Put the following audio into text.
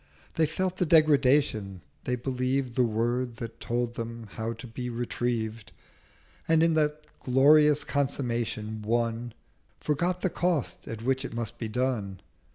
They felt their Degradation: they believed The word that told them how to be retrieved, And in that glorious Consummation won Forgot the Cost at which it must be done.